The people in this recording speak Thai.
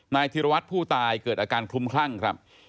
ธิรวัตรผู้ตายเกิดอาการคลุมคลั่งครับ